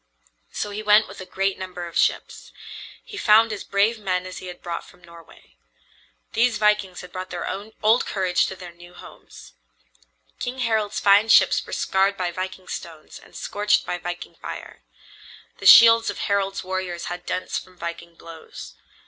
So he went with a great number of ships. He found as brave men as he had brought from Norway. These vikings had brought their old courage to their new homes. King Harald's fine ships were scarred by viking stones and scorched by viking fire. The shields of Harald's warriors had dents from viking blows.